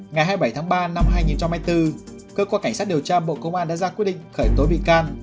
ngày hai mươi bảy tháng ba năm hai nghìn bốn cơ quan cảnh sát điều tra bộ công an đã ra quyết định khởi tối bị can